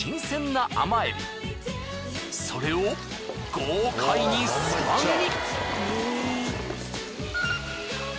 それを豪快に素揚げに。